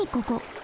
ここ。